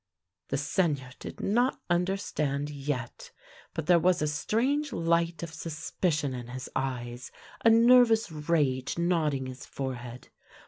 " The Seigneur did not understand yet. But there was a strange light of suspicion in his eyes, a nervous rage knotting his forehead.